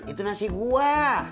itu nasi gue